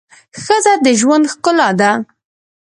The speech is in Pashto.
ښځه د ژوند ښکلا ده.